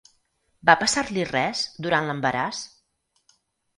Va passar-li res, durant l'embaràs?